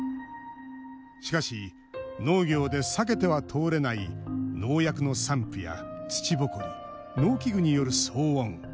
しかし、農業で避けては通れない農薬の散布や土ぼこり農機具による騒音。